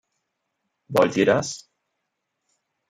Wollt Ihr das?